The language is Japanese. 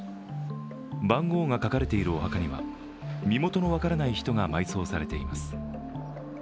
番号が書かれているお墓には身元の分からない人が埋葬されています。